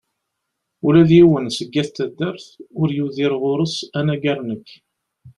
Ula d yiwen seg at taddart ur yuder ɣur-s, anagar nekk.